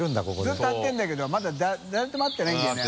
ずっと張ってるんだけどまだ誰とも会ってないんだよね？